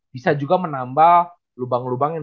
bisa juga menambah lubang lubang yang